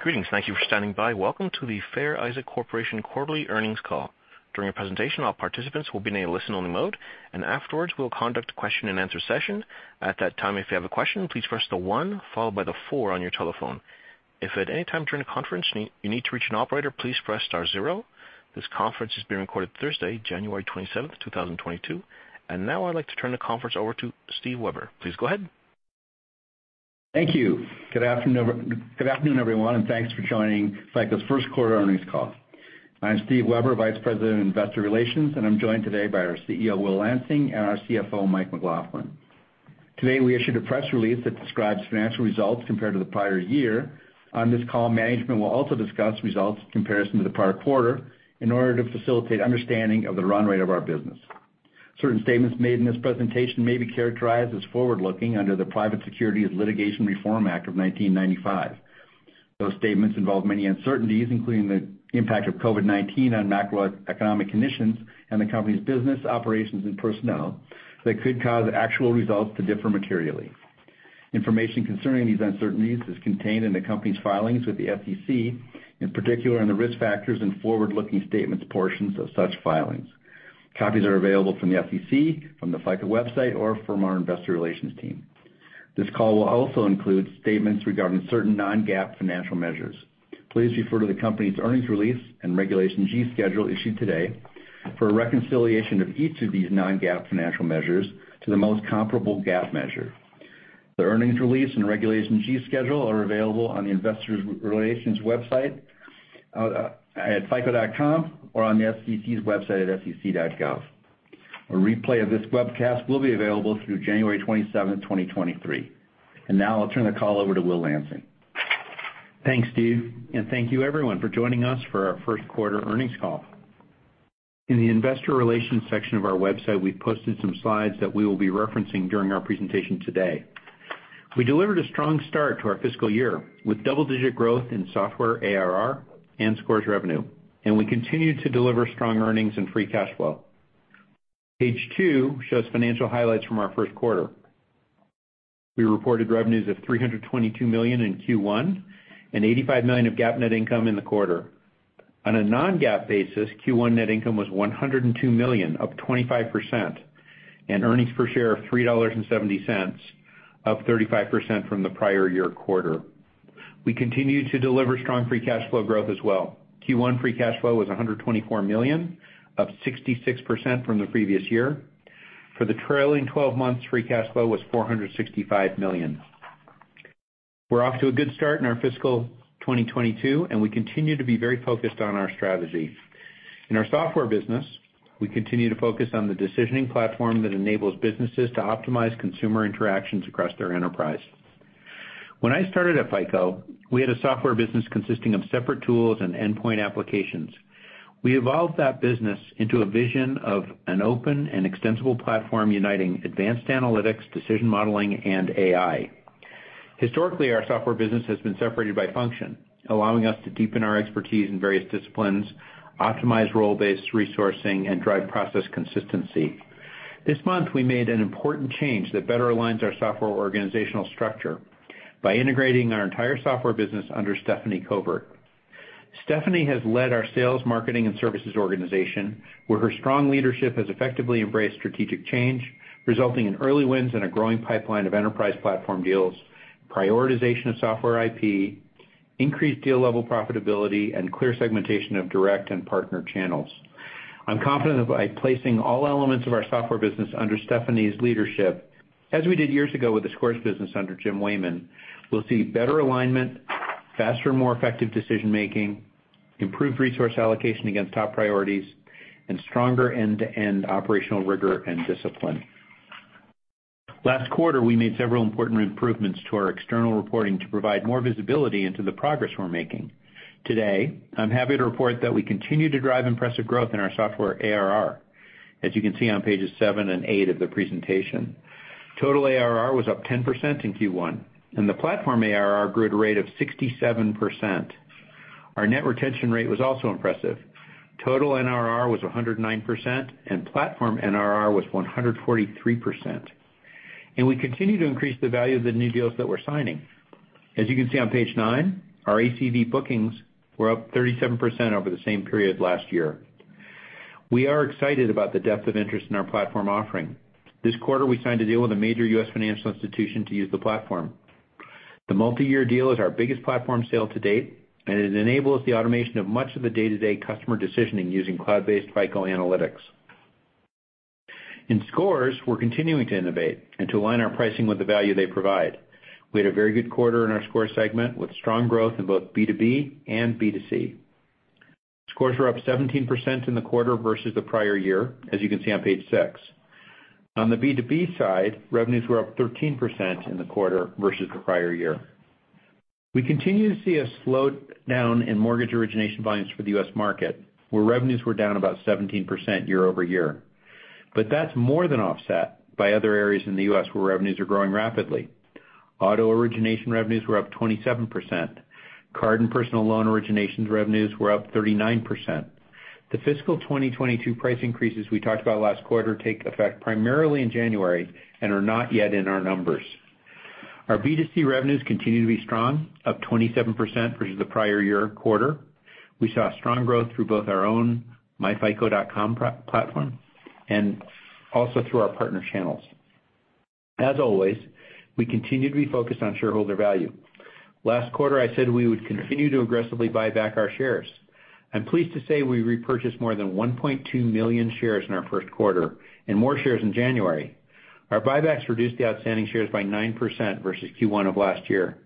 Greetings. Thank you for standing by. Welcome to the Fair Isaac Corporation quarterly earnings call. During our presentation, all participants will be in a listen-only mode, and afterwards, we will conduct a question-and-answer session. At that time, if you have a question, please press the one followed by the four on your telephone. If at any time during the conference you need to reach an operator, please press star zero. This conference is being recorded Thursday, January 27, 2022. Now I'd like to turn the conference over to Steve Weber. Please go ahead. Thank you. Good afternoon, everyone, and thanks for joining FICO's first quarter earnings call. I'm Steve Weber, Vice President of Investor Relations, and I'm joined today by our CEO, Will Lansing, and our CFO, Mike McLaughlin. Today, we issued a press release that describes financial results compared to the prior year. On this call, management will also discuss results in comparison to the prior quarter in order to facilitate understanding of the run rate of our business. Certain statements made in this presentation may be characterized as forward-looking under the Private Securities Litigation Reform Act of 1995. Those statements involve many uncertainties, including the impact of COVID-19 on macroeconomic conditions and the company's business operations and personnel that could cause actual results to differ materially. Information concerning these uncertainties is contained in the company's filings with the SEC, in particular in the risk factors and forward-looking statements portions of such filings. Copies are available from the SEC, from the FICO website, or from our investor relations team. This call will also include statements regarding certain non-GAAP financial measures. Please refer to the company's earnings release and Regulation G schedule issued today for a reconciliation of each of these non-GAAP financial measures to the most comparable GAAP measure. The earnings release and Regulation G schedule are available on the investor relations website at fico.com or on the SEC's website at sec.gov. A replay of this webcast will be available through January 27, 2023. Now I'll turn the call over to Will Lansing. Thanks, Steve, and thank you everyone for joining us for our first quarter earnings call. In the investor relations section of our website, we've posted some slides that we will be referencing during our presentation today. We delivered a strong start to our fiscal year, with double-digit growth in software ARR and Scores revenue, and we continued to deliver strong earnings and free cash flow. Page two shows financial highlights from our first quarter. We reported revenues of $322 million in Q1 and $85 million of GAAP net income in the quarter. On a non-GAAP basis, Q1 net income was $102 million, up 25%, and earnings per share of $3.70, up 35% from the prior year quarter. We continued to deliver strong free cash flow growth as well. Q1 free cash flow was $124 million, up 66% from the previous year. For the trailing twelve months, free cash flow was $465 million. We're off to a good start in our fiscal 2022, and we continue to be very focused on our strategy. In our software business, we continue to focus on the decisioning platform that enables businesses to optimize consumer interactions across their enterprise. When I started at FICO, we had a software business consisting of separate tools and endpoint applications. We evolved that business into a vision of an open and extensible platform uniting advanced analytics, decision modeling, and AI. Historically, our software business has been separated by function, allowing us to deepen our expertise in various disciplines, optimize role-based resourcing, and drive process consistency. This month, we made an important change that better aligns our software organizational structure by integrating our entire software business under Stephanie Covert. Stephanie has led our sales, marketing, and services organization, where her strong leadership has effectively embraced strategic change, resulting in early wins and a growing pipeline of enterprise platform deals, prioritization of software IP, increased deal level profitability, and clear segmentation of direct and partner channels. I'm confident that by placing all elements of our software business under Stephanie's leadership, as we did years ago with the Scores business under Jim Wehmann, we'll see better alignment, faster and more effective decision-making, improved resource allocation against top priorities, and stronger end-to-end operational rigor and discipline. Last quarter, we made several important improvements to our external reporting to provide more visibility into the progress we're making. Today, I'm happy to report that we continue to drive impressive growth in our software ARR, as you can see on pages seven and eight of the presentation. Total ARR was up 10% in Q1, and the platform ARR grew at a rate of 67%. Our net retention rate was also impressive. Total NRR was 109%, and platform NRR was 143%. We continue to increase the value of the new deals that we're signing. As you can see on page nine, our ACV bookings were up 37% over the same period last year. We are excited about the depth of interest in our platform offering. This quarter, we signed a deal with a major U.S. financial institution to use the platform. The multiyear deal is our biggest platform sale to date, and it enables the automation of much of the day-to-day customer decisioning using cloud-based FICO analytics. In Scores, we're continuing to innovate and to align our pricing with the value they provide. We had a very good quarter in our Scores segment, with strong growth in both B2B and B2C. Scores were up 17% in the quarter versus the prior year, as you can see on page six. On the B2B side, revenues were up 13% in the quarter versus the prior year. We continue to see a slowdown in mortgage origination volumes for the U.S. market, where revenues were down about 17% year-over-year. That's more than offset by other areas in the U.S. where revenues are growing rapidly. Auto origination revenues were up 27%. Card and personal loan originations revenues were up 39%. The fiscal 2022 price increases we talked about last quarter take effect primarily in January and are not yet in our numbers. Our B2C revenues continue to be strong, up 27% versus the prior year quarter. We saw strong growth through both our own myfico.com platform and also through our partner channels. As always, we continue to be focused on shareholder value. Last quarter, I said we would continue to aggressively buy back our shares. I'm pleased to say we repurchased more than 1.2 million shares in our first quarter and more shares in January. Our buybacks reduced the outstanding shares by 9% versus Q1 of last year.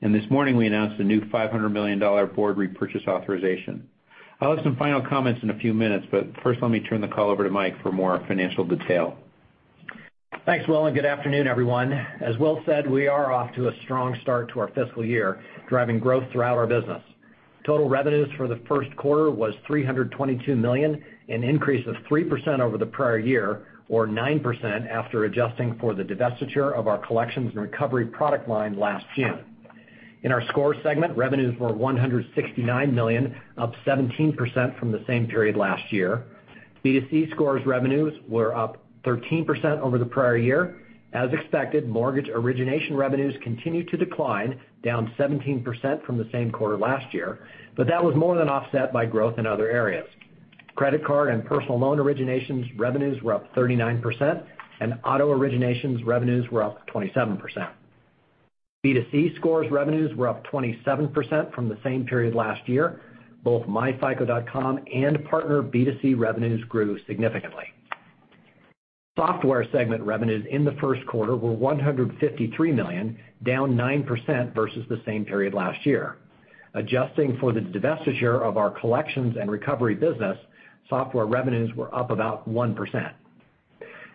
This morning, we announced a new $500 million board repurchase authorization. I'll have some final comments in a few minutes, but first, let me turn the call over to Mike for more financial detail. Thanks, Will, and good afternoon, everyone. As Will said, we are off to a strong start to our fiscal year, driving growth throughout our business. Total revenues for the first quarter was $322 million, an increase of 3% over the prior year, or 9% after adjusting for the divestiture of our collections and recovery product line last June. In our Scores segment, revenues were $169 million, up 17% from the same period last year. B2C Scores revenues were up 13% over the prior year. As expected, mortgage origination revenues continued to decline, down 17% from the same quarter last year, but that was more than offset by growth in other areas. Credit card and personal loan originations revenues were up 39%, and auto originations revenues were up 27%. B2C Scores revenues were up 27% from the same period last year. Both myfico.com and partner B2C revenues grew significantly. Software segment revenues in the first quarter were $153 million, down 9% versus the same period last year. Adjusting for the divestiture of our collections and recovery business, software revenues were up about 1%.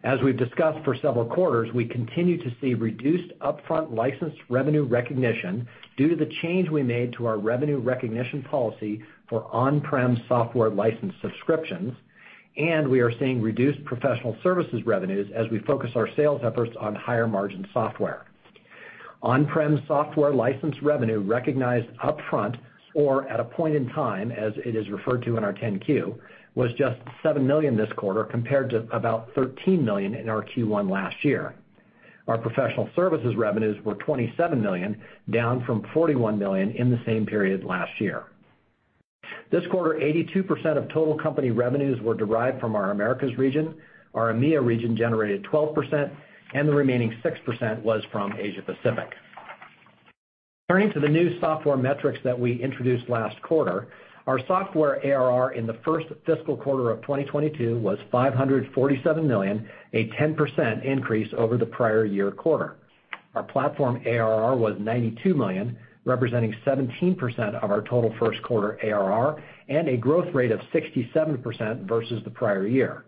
As we've discussed for several quarters, we continue to see reduced upfront licensed revenue recognition due to the change we made to our revenue recognition policy for on-prem software license subscriptions, and we are seeing reduced professional services revenues as we focus our sales efforts on higher-margin software. On-prem software license revenue recognized upfront or at a point in time, as it is referred to in our 10-Q, was just $7 million this quarter, compared to about $13 million in our Q1 last year. Our professional services revenues were $27 million, down from $41 million in the same period last year. This quarter, 82% of total company revenues were derived from our Americas region, our EMEIA region generated 12%, and the remaining 6% was from Asia Pacific. Turning to the new software metrics that we introduced last quarter, our software ARR in the first fiscal quarter of 2022 was $547 million, a 10% increase over the prior year quarter. Our platform ARR was $92 million, representing 17% of our total first quarter ARR and a growth rate of 67% versus the prior year.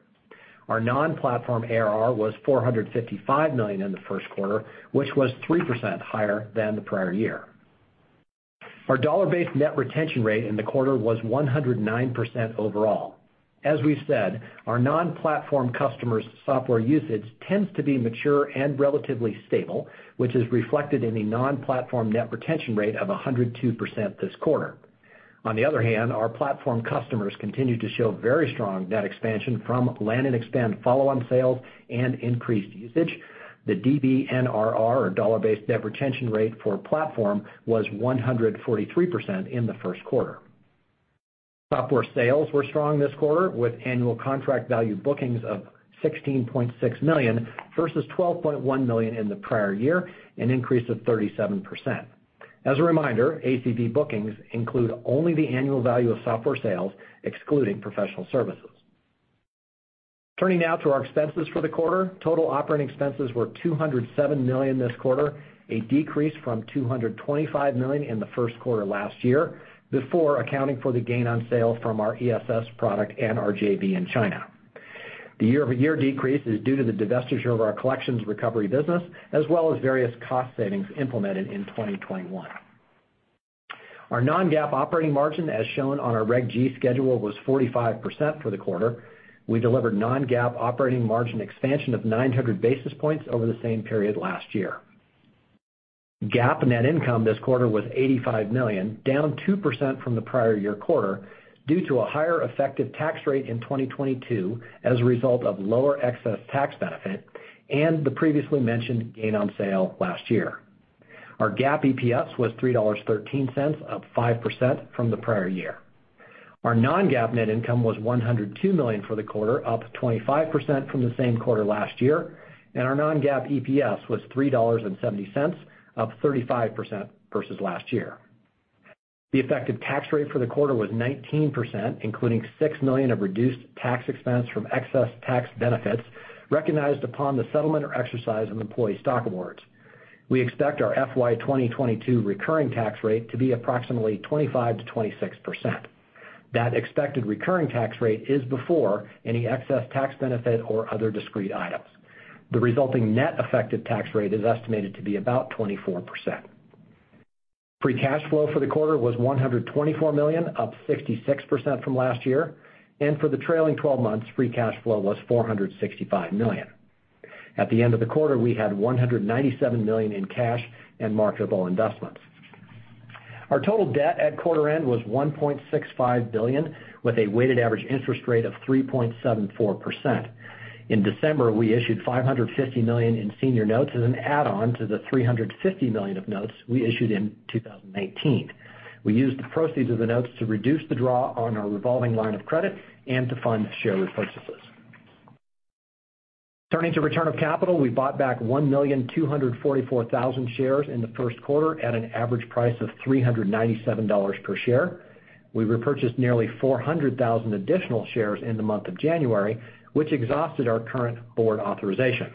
Our non-platform ARR was $455 million in the first quarter, which was 3% higher than the prior year. Our dollar-based net retention rate in the quarter was 109% overall. As we've said, our non-platform customers' software usage tends to be mature and relatively stable, which is reflected in a non-platform net retention rate of 102% this quarter. On the other hand, our platform customers continue to show very strong net expansion from land and expand follow-on sales and increased usage. The DBNRR, or dollar-based net retention rate, for platform was 143% in the first quarter. Software sales were strong this quarter, with annual contract value bookings of $16.6 million versus $12.1 million in the prior year, an increase of 37%. As a reminder, ACV bookings include only the annual value of software sales, excluding professional services. Turning now to our expenses for the quarter. Total operating expenses were $207 million this quarter, a decrease from $225 million in the first quarter last year, before accounting for the gain on sale from our ESS product and our JV in China. The year-over-year decrease is due to the divestiture of our collections recovery business, as well as various cost savings implemented in 2021. Our non-GAAP operating margin, as shown on our Reg G schedule, was 45% for the quarter. We delivered non-GAAP operating margin expansion of 900 basis points over the same period last year. GAAP net income this quarter was $85 million, down 2% from the prior year quarter due to a higher effective tax rate in 2022 as a result of lower excess tax benefit and the previously mentioned gain on sale last year. Our GAAP EPS was $3.13, up 5% from the prior year. Our non-GAAP net income was $102 million for the quarter, up 25% from the same quarter last year, and our non-GAAP EPS was $3.70, up 35% versus last year. The effective tax rate for the quarter was 19%, including $6 million of reduced tax expense from excess tax benefits recognized upon the settlement or exercise of employee stock awards. We expect our FY 2022 recurring tax rate to be approximately 25%-26%. That expected recurring tax rate is before any excess tax benefit or other discrete items. The resulting net effective tax rate is estimated to be about 24%. Free cash flow for the quarter was $124 million, up 66% from last year. For the trailing twelve months, free cash flow was $465 million. At the end of the quarter, we had $197 million in cash and marketable investments. Our total debt at quarter end was $1.65 billion, with a weighted average interest rate of 3.74%. In December, we issued $550 million in senior notes as an add-on to the $350 million of notes we issued in 2018. We used the proceeds of the notes to reduce the draw on our revolving line of credit and to fund share repurchases. Turning to return of capital, we bought back 1,244,000 shares in the first quarter at an average price of $397 per share. We repurchased nearly 400,000 additional shares in the month of January, which exhausted our current board authorization.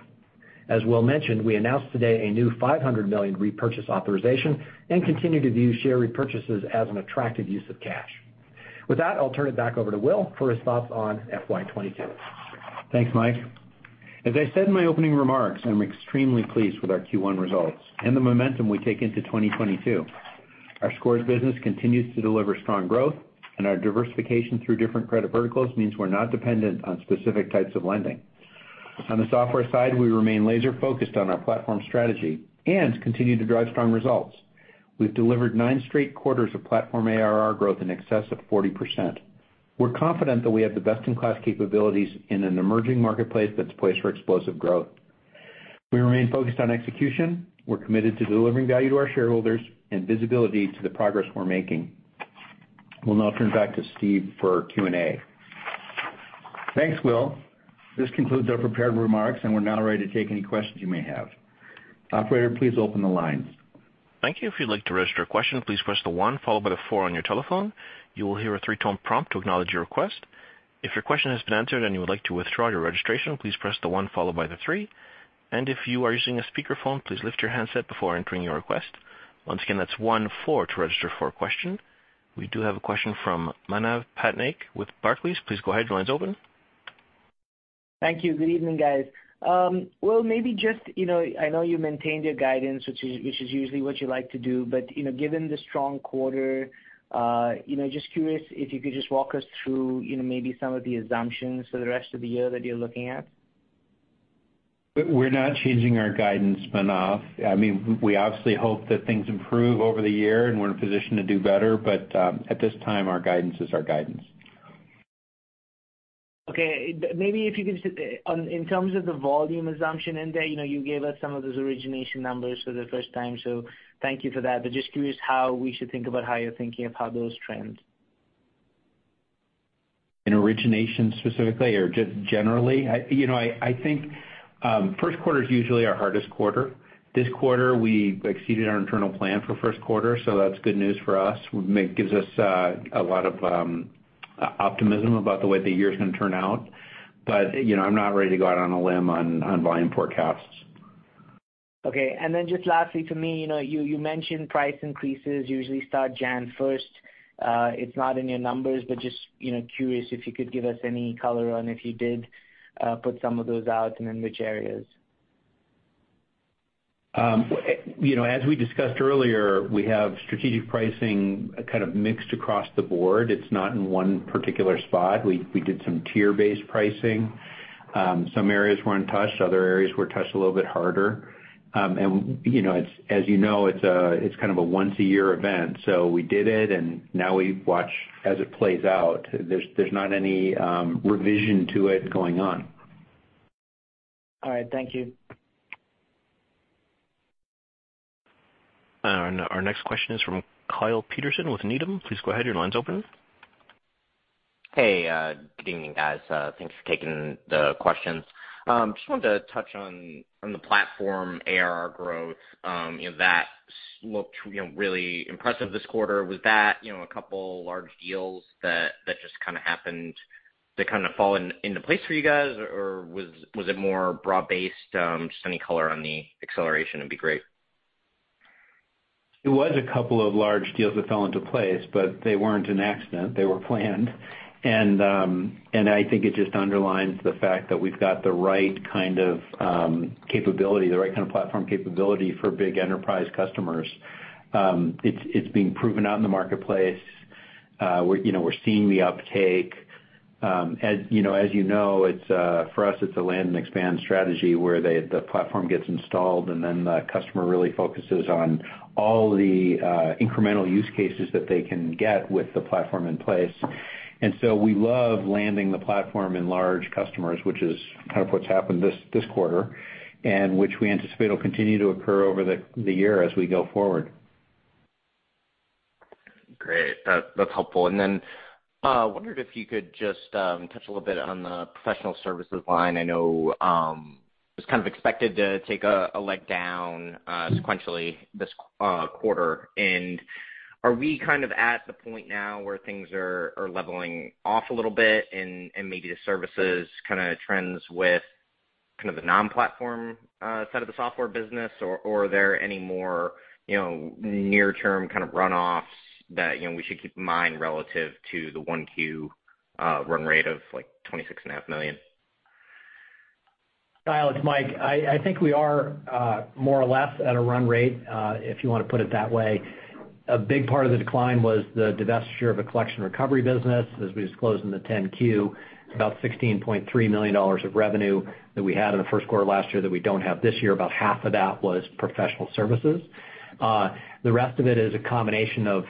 As Will mentioned, we announced today a new $500 million repurchase authorization and continue to view share repurchases as an attractive use of cash. With that, I'll turn it back over to Will for his thoughts on FY 2022. Thanks, Mike. As I said in my opening remarks, I'm extremely pleased with our Q1 results and the momentum we take into 2022. Our Scores business continues to deliver strong growth, and our diversification through different credit verticals means we're not dependent on specific types of lending. On the software side, we remain laser-focused on our platform strategy and continue to drive strong results. We've delivered nine straight quarters of platform ARR growth in excess of 40%. We're confident that we have the best-in-class capabilities in an emerging marketplace that's poised for explosive growth. We remain focused on execution. We're committed to delivering value to our shareholders and visibility to the progress we're making. We'll now turn it back to Steve for Q&A. Thanks, Will. This concludes our prepared remarks, and we're now ready to take any questions you may have. Operator, please open the lines. We do have a question from Manav Patnaik with Barclays. Please go ahead. Your line's open. Thank you. Good evening, guys. Well, maybe just, you know, I know you maintained your guidance, which is usually what you like to do, but, you know, given the strong quarter, just curious if you could just walk us through, you know, maybe some of the assumptions for the rest of the year that you're looking at. We're not changing our guidance, Manav. I mean, we obviously hope that things improve over the year, and we're in a position to do better, but at this time, our guidance is our guidance. Okay. In terms of the volume assumption in there, you know, you gave us some of those origination numbers for the first time, so thank you for that. Just curious how we should think about how you're thinking of how those trend. In origination specifically or just generally? I think first quarter is usually our hardest quarter. This quarter, we exceeded our internal plan for first quarter, so that's good news for us. It gives us a lot of optimism about the way the year's gonna turn out. I'm not ready to go out on a limb on volume forecasts. Okay. Just lastly for me, you know, you mentioned price increases usually start January 1st. It's not in your numbers, but just, you know, curious if you could give us any color on if you did put some of those out and in which areas. You know, as we discussed earlier, we have strategic pricing kind of mixed across the board. It's not in one particular spot. We did some tier-based pricing. Some areas were untouched, other areas were touched a little bit harder. You know, as you know, it's kind of a once-a-year event. We did it, and now we watch as it plays out. There's not any revision to it going on. All right. Thank you. Our next question is from Kyle Peterson with Needham. Please go ahead. Your line's open. Hey, good evening, guys. Thanks for taking the questions. Just wanted to touch on the platform ARR growth. You know, that looked, you know, really impressive this quarter. Was that, you know, a couple large deals that just kind of happened to kind of fall into place for you guys, or was it more broad-based? Just any color on the acceleration would be great. It was a couple of large deals that fell into place, but they weren't an accident, they were planned. I think it just underlines the fact that we've got the right kind of capability, the right kind of platform capability for big enterprise customers. It's being proven out in the marketplace. We're, you know, seeing the uptake. As you know, for us, it's a land and expand strategy where the platform gets installed, and then the customer really focuses on all the incremental use cases that they can get with the platform in place. We love landing the platform in large customers, which is kind of what's happened this quarter, and which we anticipate will continue to occur over the year as we go forward. Great. That's helpful. I wondered if you could just touch a little bit on the professional services line. I know it's kind of expected to take a leg down sequentially this quarter. Are we kind of at the point now where things are leveling off a little bit and maybe the services kind of trends with kind of the non-platform side of the software business, or are there any more, you know, near-term kind of runoffs that, you know, we should keep in mind relative to the 1Q run rate of, like, $26.5 million? Kyle, it's Mike. I think we are more or less at a run rate, if you want to put it that way. A big part of the decline was the divestiture of a collection recovery business, as we disclosed in the 10-Q, about $16.3 million of revenue that we had in the first quarter last year that we don't have this year. About half of that was professional services. The rest of it is a combination of,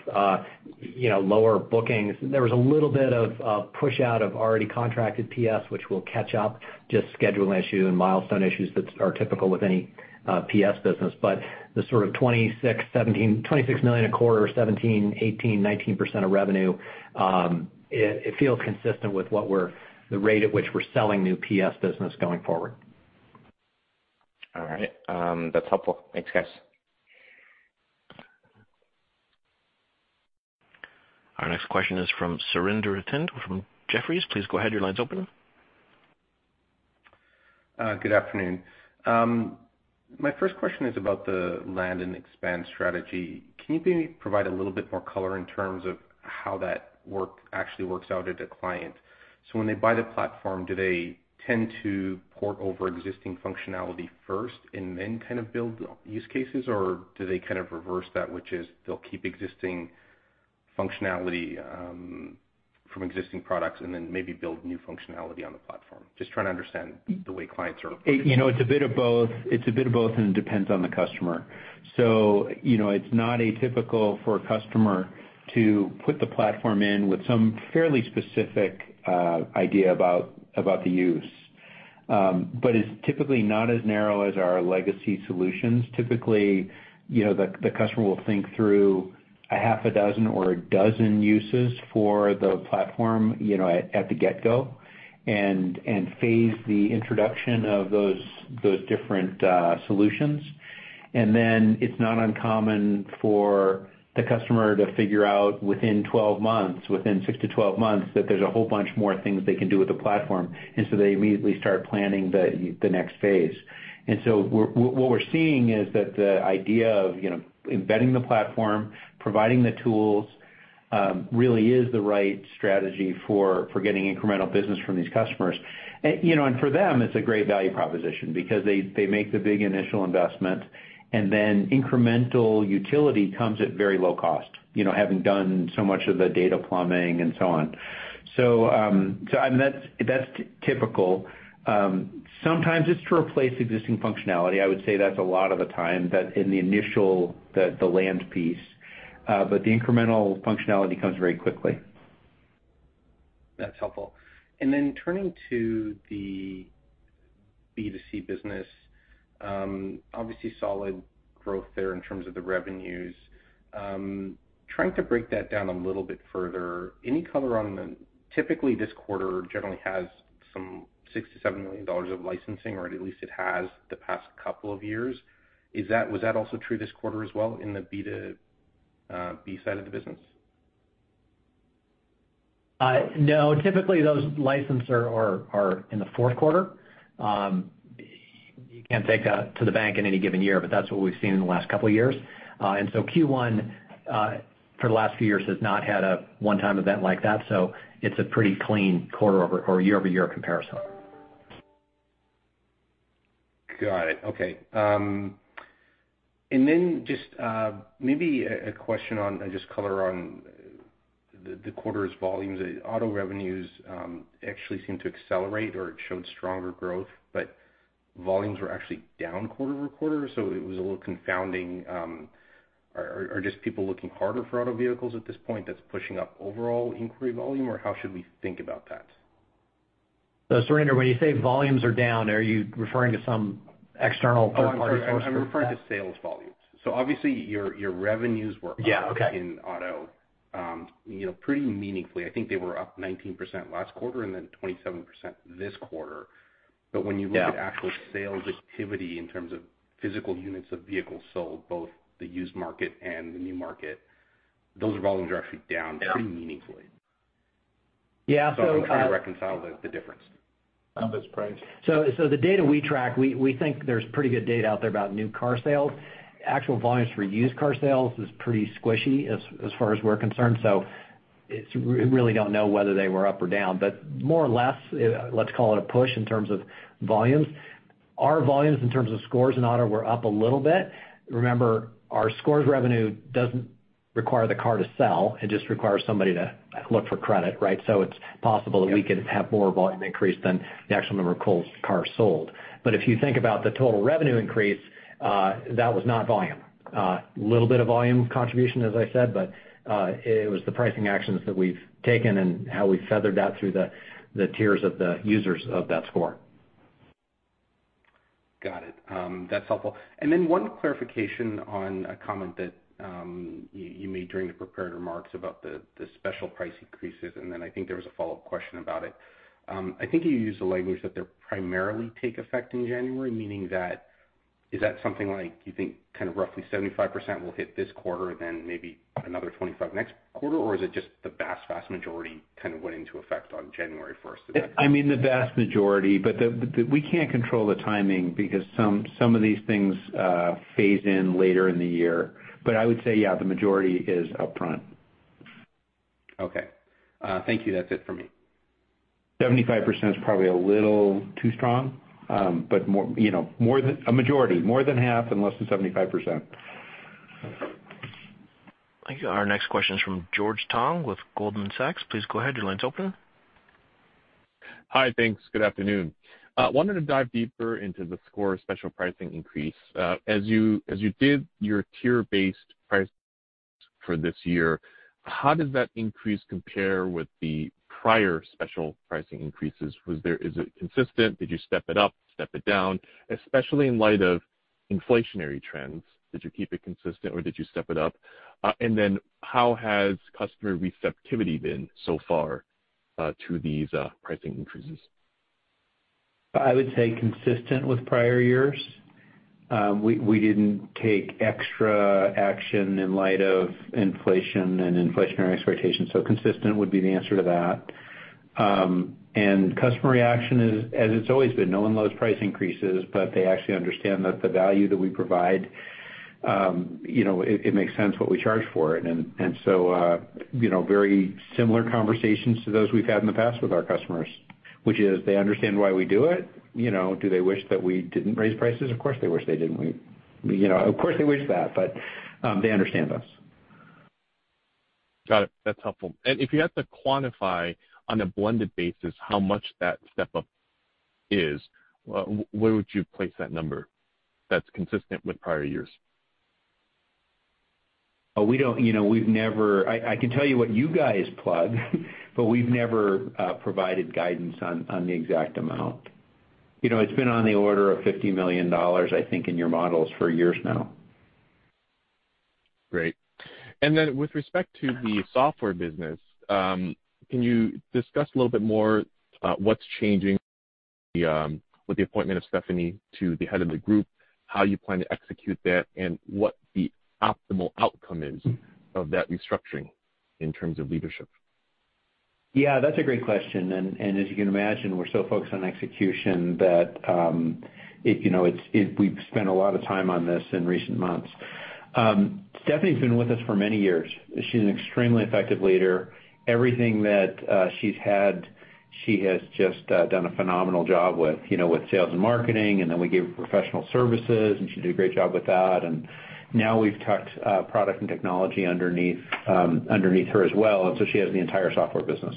you know, lower bookings. There was a little bit of push out of already contracted PS, which will catch up, just scheduling issue and milestone issues that are typical with any PS business. The sort of $26 million a quarter, 17%, 18%, 19% of revenue, it feels consistent with the rate at which we're selling new PS business going forward. All right, that's helpful. Thanks, guys. Our next question is from Surinder Thind from Jefferies. Please go ahead. Your line's open. Good afternoon. My first question is about the land and expand strategy. Can you maybe provide a little bit more color in terms of how that work actually works out at a client? When they buy the platform, do they tend to port over existing functionality first and then kind of build use cases? Or do they kind of reverse that, which is they'll keep existing functionality from existing products and then maybe build new functionality on the platform? Just trying to understand the way clients are approaching it. You know, it's a bit of both, and it depends on the customer. It's not atypical for a customer to put the platform in with some fairly specific idea about the use. But it's typically not as narrow as our legacy solutions. Typically, you know, the customer will think through half a dozen or a dozen uses for the platform, you know, at the get-go and phase the introduction of those different solutions. Then it's not uncommon for the customer to figure out within 12 months, within six to 12 months, that there's a whole bunch more things they can do with the platform. So they immediately start planning the next phase. What we're seeing is that the idea of, you know, embedding the platform, providing the tools, really is the right strategy for getting incremental business from these customers. You know, and for them, it's a great value proposition because they make the big initial investment, and then incremental utility comes at very low cost, you know, having done so much of the data plumbing and so on. I mean, that's typical. Sometimes it's to replace existing functionality. I would say that's a lot of the time in the initial land piece, but the incremental functionality comes very quickly. That's helpful. Then turning to the B2C business, obviously solid growth there in terms of the revenues. Trying to break that down a little bit further. Any color on that. Typically, this quarter generally has some $6 million-$7 million of licensing, or at least it has the past couple of years. Was that also true this quarter as well in the B2B side of the business? No, typically those licenses are in the fourth quarter. You can't take that to the bank in any given year, but that's what we've seen in the last couple of years. Q1 for the last few years has not had a one-time event like that, so it's a pretty clean year-over-year comparison. Got it. Okay. Then just maybe a question on just color on the quarter's volumes. Auto revenues actually seemed to accelerate or it showed stronger growth, but volumes were actually down quarter-over-quarter, so it was a little confounding. Are just people looking harder for auto vehicles at this point that's pushing up overall inquiry volume, or how should we think about that? Surinder, when you say volumes are down, are you referring to some external third party source for that? Oh, I'm sorry. I'm referring to sales volumes. Obviously your revenues were up in auto. Yeah. Okay You know, pretty meaningfully. I think they were up 19% last quarter and then 27% this quarter. Yeah. When you look at actual sales activity in terms of physical units of vehicles sold, both the used market and the new market, those volumes are actually down pretty meaningfully. Yeah. I'm trying to reconcile the difference. The data we track, we think there's pretty good data out there about new car sales. Actual volumes for used car sales is pretty squishy as far as we're concerned. It's we really don't know whether they were up or down, but more or less, let's call it a push in terms of volumes. Our volumes in terms of Scores and auto were up a little bit. Remember, our Scores revenue doesn't require the car to sell. It just requires somebody to look for credit, right? It's possible that we could have more volume increase than the actual number of cars sold. But if you think about the total revenue increase, that was not volume. Little bit of volume contribution, as I said, but it was the pricing actions that we've taken and how we feathered that through the tiers of the users of that score. Got it. That's helpful. One clarification on a comment that you made during the prepared remarks about the special price increases, and then I think there was a follow-up question about it. I think you used the language that they're primarily take effect in January, meaning that is something like you think kind of roughly 75% will hit this quarter, then maybe another 25 next quarter? Or is it just the vast majority kind of went into effect on January 1st of this year? I mean, the vast majority, but we can't control the timing because some of these things phase in later in the year. But I would say, yeah, the majority is upfront. Okay. Thank you. That's it for me. 75% is probably a little too strong, but more, you know, more than a majority. More than half and less than 75%. Thank you. Our next question is from George Tong with Goldman Sachs. Please go ahead. Your line's open. Hi. Thanks. Good afternoon. I wanted to dive deeper into the Score special pricing increase. As you did your tier-based price for this year, how does that increase compare with the prior special pricing increases? Is it consistent? Did you step it up, step it down? Especially in light of inflationary trends, did you keep it consistent or did you step it up? And then how has customer receptivity been so far to these pricing increases? I would say consistent with prior years. We didn't take extra action in light of inflation and inflationary expectations. Consistent would be the answer to that. Customer reaction is as it's always been. No one loves price increases, but they actually understand that the value that we provide, you know, it makes sense what we charge for it. You know, very similar conversations to those we've had in the past with our customers, which is they understand why we do it. You know, do they wish that we didn't raise prices? Of course, they wish they didn't. We, you know, of course they wish that, but they understand us. Got it. That's helpful. If you had to quantify on a blended basis how much that step up is, where would you place that number that's consistent with prior years? I can tell you what you guys plug, but we've never provided guidance on the exact amount. You know, it's been on the order of $50 million, I think, in your models for years now. Great. With respect to the software business, can you discuss a little bit more, what's changing with the appointment of Stephanie to the head of the group? How you plan to execute that, and what the optimal outcome is of that restructuring in terms of leadership? Yeah, that's a great question. As you can imagine, we're so focused on execution that, you know, we've spent a lot of time on this in recent months. Stephanie's been with us for many years. She's an extremely effective leader. Everything that she's had, she has just done a phenomenal job with, you know, with sales and marketing, and then we gave her professional services, and she did a great job with that. Now we've tucked product and technology underneath her as well, and so she has the entire software business.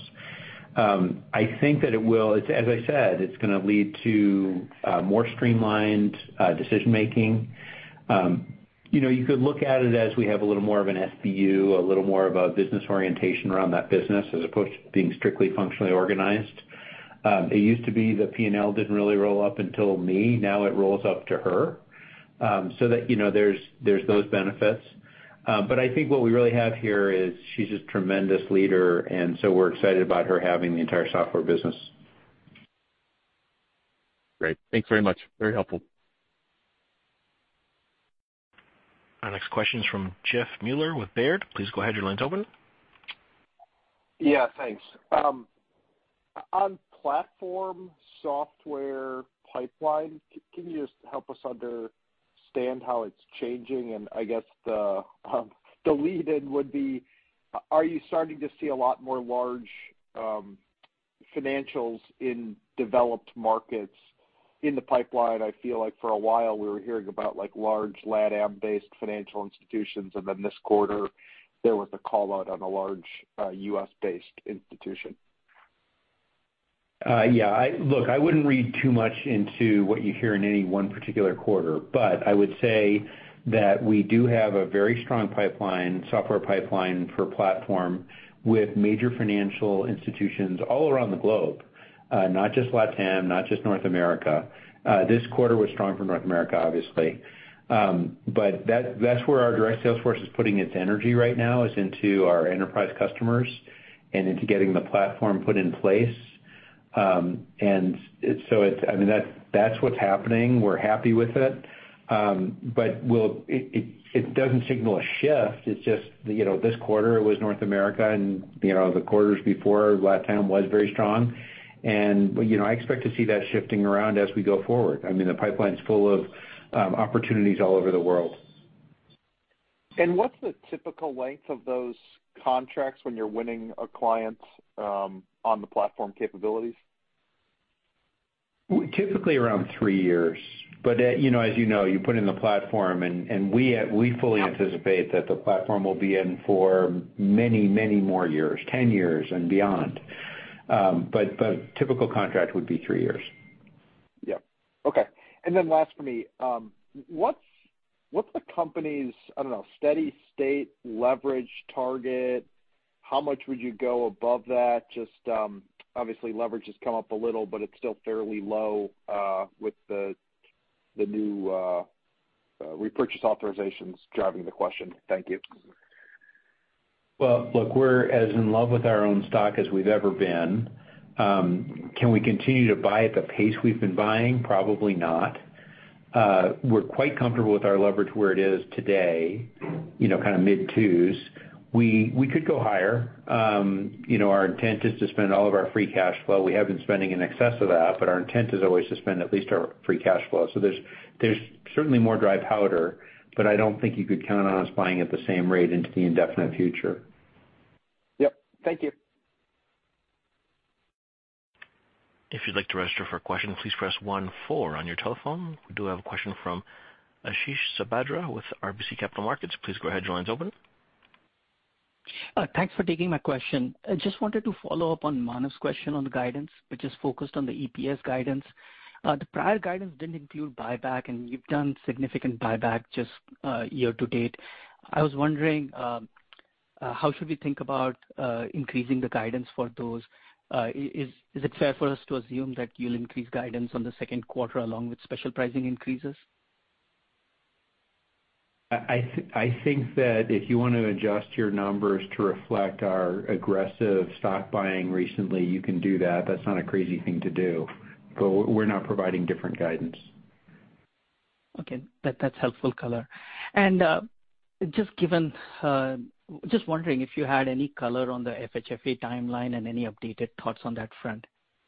I think that it will. It's, as I said, it's gonna lead to more streamlined decision-making. You know, you could look at it as we have a little more of an SBU, a little more of a business orientation around that business as opposed to being strictly functionally organized. It used to be the P&L didn't really roll up until me. Now it rolls up to her. That, you know, there's those benefits. I think what we really have here is she's a tremendous leader, and so we're excited about her having the entire software business. Great. Thanks very much. Very helpful. Our next question is from Jeff Meuler with Baird. Please go ahead. Your line's open. Yeah, thanks. On platform software pipeline, can you just help us understand how it's changing? I guess the lead in would be, are you starting to see a lot more large financials in developed markets in the pipeline? I feel like for a while we were hearing about, like, large LatAm-based financial institutions, and then this quarter, there was a call-out on a large U.S.-based institution. Yeah. Look, I wouldn't read too much into what you hear in any one particular quarter, but I would say that we do have a very strong pipeline, software pipeline for platform with major financial institutions all around the globe, not just LatAm, not just North America. This quarter was strong for North America, obviously. But that's where our direct sales force is putting its energy right now, is into our enterprise customers and into getting the platform put in place. And so it's, I mean, that's what's happening. We're happy with it. It doesn't signal a shift. It's just, you know, this quarter it was North America and, you know, the quarters before LatAm was very strong. You know, I expect to see that shifting around as we go forward. I mean, the pipeline's full of opportunities all over the world. What's the typical length of those contracts when you're winning a client, on the platform capabilities? Typically around three years. You know, as you know, you put in the platform and we fully anticipate that the platform will be in for many, many more years, 10 years and beyond. Typical contract would be three years. Yeah. Okay. Last for me. What's the company's, I don't know, steady state leverage target? How much would you go above that? Just, obviously leverage has come up a little, but it's still fairly low, with the new repurchase authorizations driving the question. Thank you. Well, look, we're as in love with our own stock as we've ever been. Can we continue to buy at the pace we've been buying? Probably not. We're quite comfortable with our leverage where it is today, you know, kind of mid-2s. We could go higher. You know, our intent is to spend all of our free cash flow. We have been spending in excess of that, but our intent is always to spend at least our free cash flow. There's certainly more dry powder, but I don't think you could count on us buying at the same rate into the indefinite future. Yep. Thank you. We do have a question from Ashish Sabadra with RBC Capital Markets. Please go ahead. Your line is open. Thanks for taking my question. I just wanted to follow up on Manav's question on the guidance, which is focused on the EPS guidance. The prior guidance didn't include buyback, and you've done significant buyback just year-to-date. I was wondering how should we think about increasing the guidance for those? Is it fair for us to assume that you'll increase guidance on the second quarter along with special pricing increases? I think that if you wanna adjust your numbers to reflect our aggressive stock buying recently, you can do that. That's not a crazy thing to do. We're not providing different guidance. Okay. That's helpful color. Just wondering if you had any color on the FHFA timeline and any updated thoughts on that front.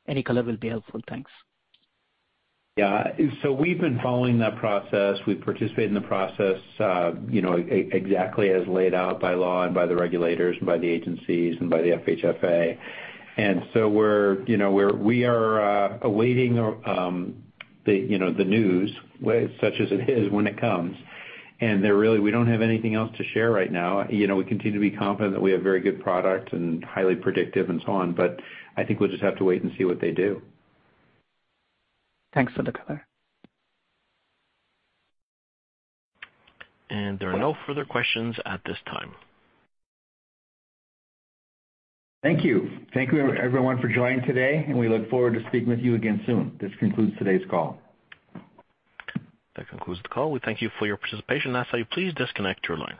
Any color will be helpful. Thanks. Yeah. We've been following that process. We participate in the process, you know, exactly as laid out by law and by the regulators and by the agencies and by the FHFA. We're awaiting the news, such as it is when it comes. We don't have anything else to share right now. You know, we continue to be confident that we have very good product and highly predictive and so on, but I think we'll just have to wait and see what they do. Thanks for the color. There are no further questions at this time. Thank you. Thank you everyone for joining today, and we look forward to speaking with you again soon. This concludes today's call. That concludes the call. We thank you for your participation. Please disconnect your line.